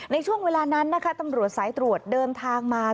ในช่วงเวลานั้นนะคะตำรวจสายตรวจเดินทางมา